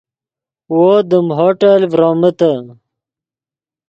وو دیم ہوٹل ڤرومیتے